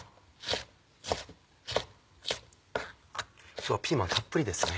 今日はピーマンたっぷりですね。